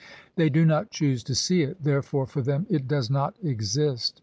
They do not choose to see it : therefore for them it does not exist.